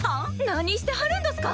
何してはるんどすか！？